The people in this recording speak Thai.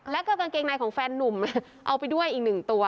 แล้วก็กางเกงในของแฟนนุ่มเอาไปด้วยอีกหนึ่งตัว